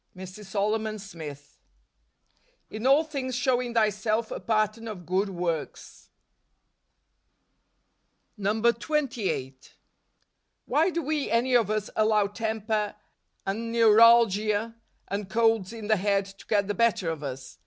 " Mrs. Solomon Smith. " In all things shewing thyself a pattern of good works" 28. Why do we, any of us, allow temper, and neuralgia, and colds in the head, to get the better of us